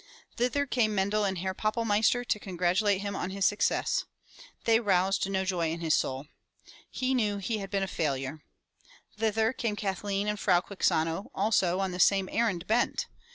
Thither came Mendel and Herr Pappelmeister to congratulate him on his success. They roused no joy in his soul. He knew he had been a failure. Thither came Kathleen and Frau Quixano, also, on the same errand bent.